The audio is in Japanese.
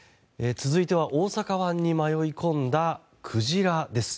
続いては大阪湾に迷い込んだクジラです。